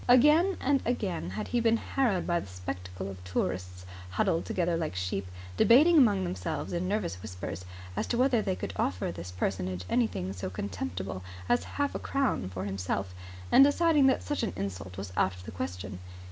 Again and again had he been harrowed by the spectacle of tourists, huddled together like sheep, debating among themselves in nervous whispers as to whether they could offer this personage anything so contemptible as half a crown for himself and deciding that such an insult was out of the question.